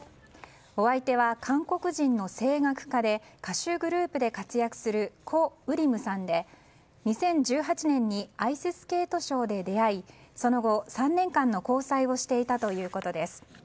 お相手は韓国人の声楽家で歌手グループで活躍するコ・ウリムさんで、２０１８年にアイススケートショーで出会いその後、３年間の交際をしていたということです。